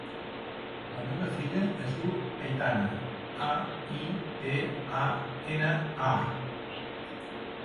La meva filla es diu Aitana: a, i, te, a, ena, a.